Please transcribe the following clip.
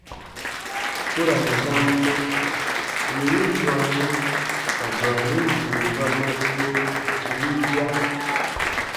U ra n dam mɔ : yè win dwaani ka dwaanin bibu ba mɔ kpuro wigia.